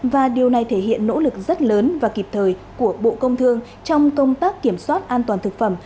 và điều này thể hiện nỗ lực rất lớn và kịp thời của bộ công thương trong công tác kiểm soát an toàn thực phẩm